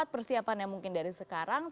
persiapannya mungkin dari sekarang